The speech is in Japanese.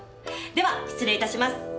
では失礼致します。